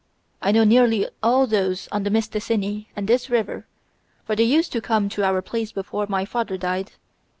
I know nearly all those on the Mistassini and this river, for they used to come to our place before my father died.